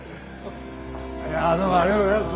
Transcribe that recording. いやどうもありがとうございます。